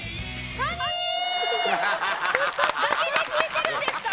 カニで聴いてるんですか？